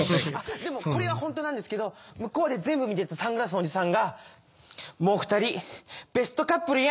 でもこれはホントなんですけど向こうで全部見てたサングラスのおじさんが「もう２人ベストカップルやん」ですって。